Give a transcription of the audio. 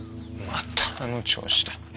またあの調子だ。